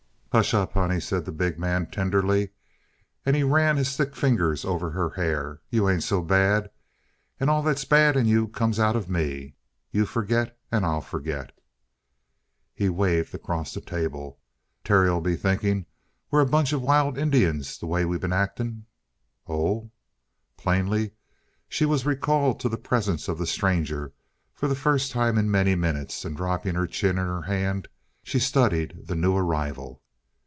"Hush up, honey," said the big man tenderly, and he ran his thick fingers over her hair. "You ain't so bad. And all that's bad in you comes out of me. You forget and I'll forget." He waved across the table. "Terry'll be thinking we're a bunch of wild Indians the way we been actin'." "Oh!" Plainly she was recalled to the presence of the stranger for the first time in many minutes and, dropping her chin in her hand, she studied the new arrival.